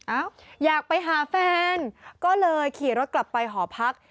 อยากไปหาแฟนก็เลยขี่รถกลับไปหอพัก